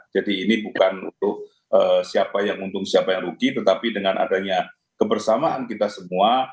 jadi ini bukan untuk siapa yang untung siapa yang rugi tetapi dengan adanya kebersamaan kita semua